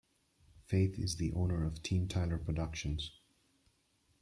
Faith is the owner of Team Tyler Productions.